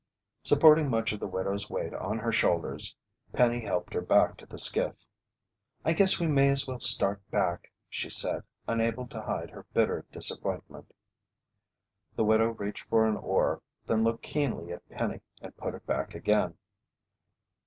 Supporting much of the widow's weight on her shoulders, Penny helped her back to the skiff. "I guess we may as well start back," she said, unable to hide her bitter disappointment. The widow reached for an oar, then looked keenly at Penny and put it back again.